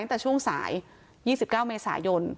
ตั้งแต่ช่วงสาย๒๙เมษายน